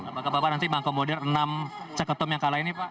apakah bapak bapak nanti mengakomodir enam ceketum yang kalah ini pak